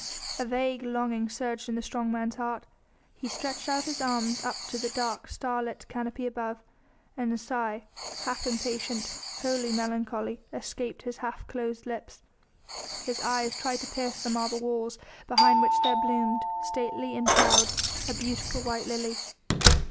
A vague longing surged in the strong man's heart; he stretched out his arms up to the dark, starlit canopy above, and a sigh, half impatient, wholly melancholy, escaped his half closed lips. His eyes tried to pierce the marble walls behind which there bloomed stately and proud a beautiful white lily.